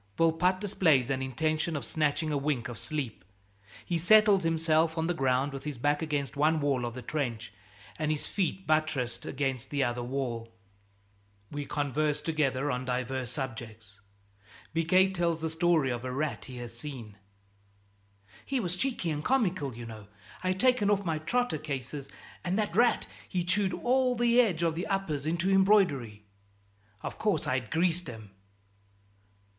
Volpatte displays an intention of snatching a wink of sleep. He settles himself on the ground with his back against one wall of the trench and his feet buttressed against the other wall. We converse together on divers subjects. Biquet tells the story of a rat he has seen: "He was cheeky and comical, you know. I'd taken off my trotter cases, and that rat, he chewed all the edge of the uppers into embroidery. Of course, I'd greased 'em."